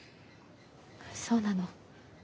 そうなの。